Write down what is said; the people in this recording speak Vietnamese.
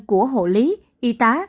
của hộ lý y tá